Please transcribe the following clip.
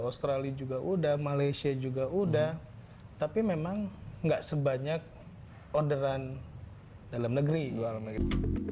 australia juga udah malaysia juga udah tapi memang enggak sebanyak orderan dalam negeri